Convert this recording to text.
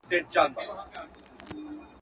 خلګو له چارو څخه ګټه اخیستې ده.